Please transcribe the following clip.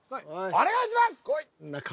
お願いします。